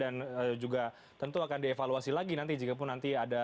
dan juga tentu akan dievaluasi lagi nanti jika pun nanti ada